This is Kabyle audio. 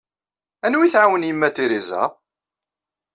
Anwa ay tɛawen Yemma Teresa?